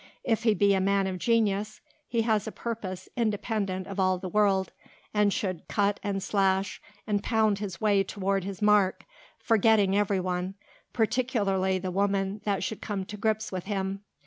If he be a man of genius, he has a purpose independent of all the world, and should cut and slash and pound his way toward his mark, forgetting every one, particularly the woman that would come to grips with him.